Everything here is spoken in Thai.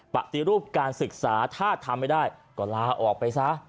ปฏิรูปการศึกษาถ้าทำไม่ได้ก็ลาออกไปซะ